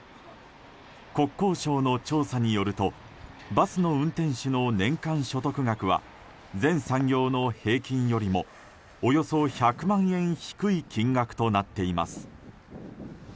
国交省の調査によるとバスの運転手の年間所得額は全産業の平均よりもおよそ１００万円低い金額となっています。